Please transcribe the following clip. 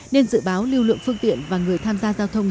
nên dự báo lưu lượng phương tiện và người tham gia giao thông